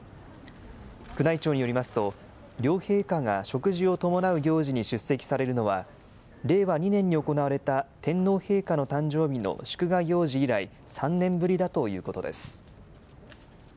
宮内庁によりますと、両陛下が食事を伴う行事に出席されるのは、令和２年に行われた天皇陛下の誕生日の祝賀行事以来、３年ぶりだということです。